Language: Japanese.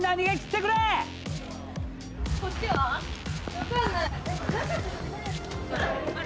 分かんない。